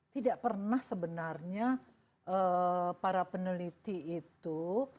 tidak pernah sebenarnya para peneliti itu